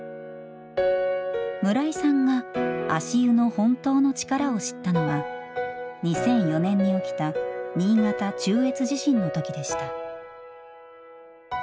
村井さんが足湯の本当の力を知ったのは２００４年に起きた新潟・中越地震の時でした。